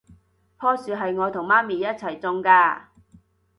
樖樹係我同媽咪一齊種㗎